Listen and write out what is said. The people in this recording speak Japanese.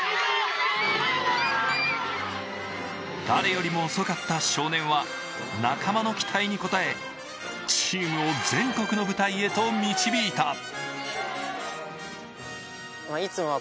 誰よりも遅かった少年は仲間の期待に応え、チームを全国の舞台へと導いた。